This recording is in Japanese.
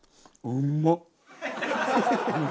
うまっ！